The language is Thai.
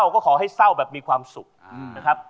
ขอบคุณครับขอบคุณครับ